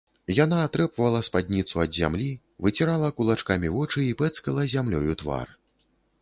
Яна атрэпвала спадніцу ад зямлі, выцірала кулакамі вочы і пэцкала зямлёю твар.